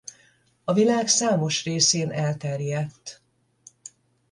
A világ számos részén elterjedt.